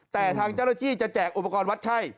แต่ทางเจ้าหน้าที่จะแจกอุปกรณ์วัดไข้